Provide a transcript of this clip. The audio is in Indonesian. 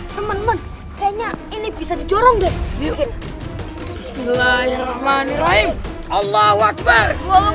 temen temen kayaknya ini bisa dijorong deh bismillahirrahmanirrahim allah waqfar